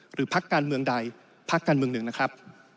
พักการเมืองใดพักการเมืองหนึ่งนะครับ